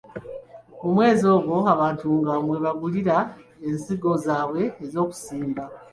Mu mwezi ogwo abantu nga mwebagulira ensigo zaabwe ez'okusimba.